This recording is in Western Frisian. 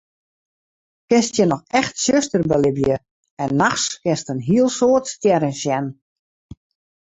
Kinst hjir noch echt tsjuster belibje en nachts kinst in hiel soad stjerren sjen.